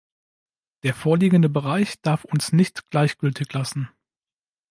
Der vorliegende Bereich darf uns nicht gleichgültig lassen.